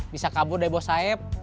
bisa kabur deh bos saeb